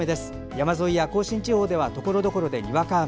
山沿いや甲信地方ではところどころでにわか雨。